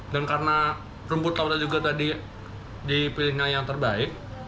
dan karena rumput lautnya juga tadi dipilihnya yang terbaik